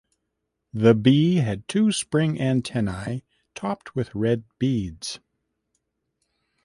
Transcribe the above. The bee had two spring antennae topped with red beads.